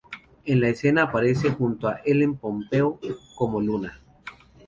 En la escena aparece junto a Ellen Pompeo como "Luna".